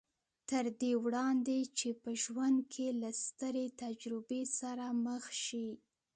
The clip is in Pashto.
تر دې وړاندې چې په ژوند کې له سترې تجربې سره مخ شي